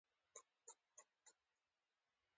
مالګه، بوره او نور شیان په کې بار وو.